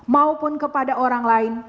maupun kepada orang lain